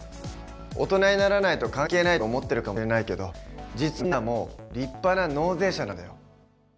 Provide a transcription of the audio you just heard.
大人にならないと関係ないと思ってるかもしれないけど実はみんなはもう立派な納税者なんだよ。